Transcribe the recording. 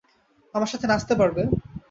আমার সাথে নাচতে পারবে?